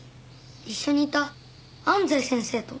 一緒にいた安西先生と。